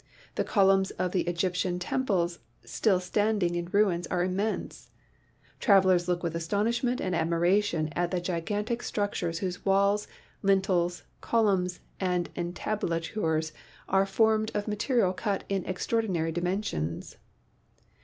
The columns of the Egyptian tem ples still standing in ruins are immense. Travelers look with astonishment and admiration at the gigantic struc tures whose walls, lintels, columns and entablatures are formed of material cut in extraordinary dimensions.